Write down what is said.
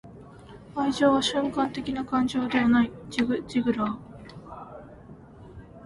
愛情は瞬間的な感情ではない.―ジグ・ジグラー―